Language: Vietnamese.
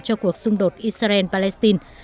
cho cuộc xung đột israel palestine